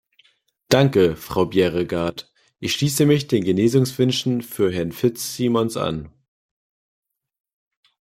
Danke, Frau Bjerregaard, ich schließe mich den Genesungswünschen für Herrn Fitzsimons an.